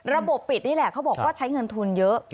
ปิดนี่แหละเขาบอกว่าใช้เงินทุนเยอะ